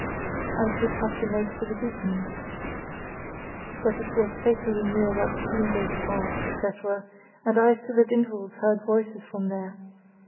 I should have to make for the beacon; but it was fatally near that steamboat path, etc., and I still at intervals heard voices from there.